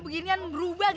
aku ga denger dong